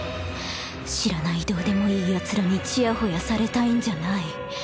知らないどうでもいいヤツらにちやほやされたいんじゃない。